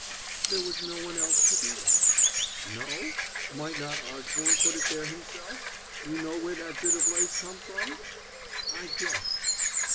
"There was no one else to do it!" "No? Might not Osborne put it there himself? You know where that bit of lace come from?" "I guess."